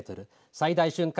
最大瞬間